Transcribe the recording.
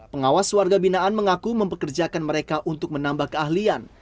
pengawas warga binaan mengaku mempekerjakan mereka untuk menambah keahlian